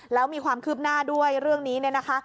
แล้วมีความคืบหน้าด้วยเรื่องนี้เนี่ยนะคะ